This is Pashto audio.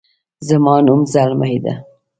زما نوم زلمۍ ده